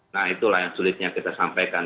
nah itulah yang sulitnya kita sampaikan